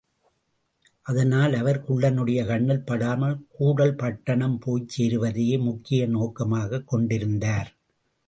அதனால் அவர் குள்ளனுடைய கண்ணில் படாமல் கூடல் பட்டணம் போய்ச் சேருவதையே முக்கிய நோக்கமாகக் கொண்டிருந்தார்.